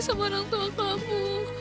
sama orang tua kamu